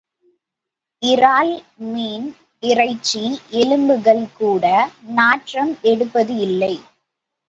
இறால் மீன் இறைச்சி எலும்புகள் கூட நாற்றம் எடுப்பது இல்லை.